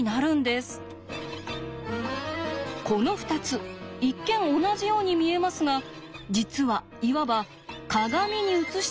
この２つ一見同じように見えますが実はいわば鏡に映した関係。